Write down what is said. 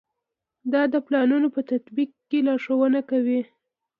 دا د پلانونو په تطبیق کې لارښوونې کوي.